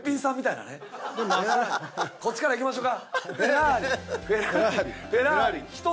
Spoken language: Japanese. こっちからいきましょか。